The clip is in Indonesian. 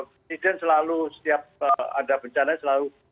presiden selalu setiap ada bencana selalu